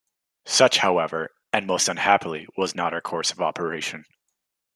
Such, however, and most unhappily, was not our course of operation.